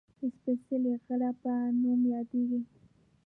د "سپېڅلي غره" په نوم یادېږي